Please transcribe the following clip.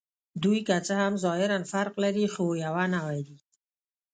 دوی که څه هم ظاهراً فرق لري، خو یوه نوعه دي.